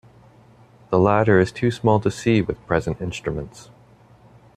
The latter is too small to see with present instruments.